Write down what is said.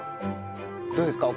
どうですか？